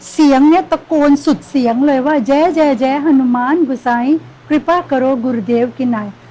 เสียงนี้ตะโกนสุดเสียงเลยว่าเจเจเจฮานุมานบุษัยกริภากรกุรุเดวกิไหน